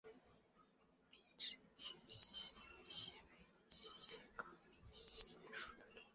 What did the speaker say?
鼻肢闽溪蟹为溪蟹科闽溪蟹属的动物。